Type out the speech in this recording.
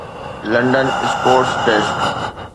London sports desk